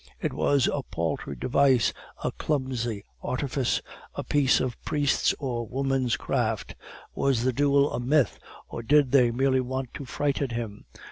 It was a paltry device, a clumsy artifice, a piece of priest's or woman's craft. Was the duel a myth, or did they merely want to frighten him?